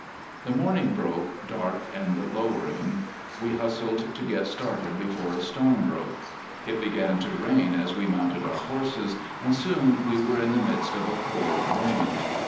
The morning broke dark and lowering. We hustled to get started before a storm broke. It began to rain as we mounted our horses, and soon we were in the midst of a cold rain.